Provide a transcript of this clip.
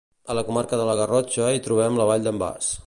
A la comarca de la Garrotxa hi trobem la Vall d'en Bas.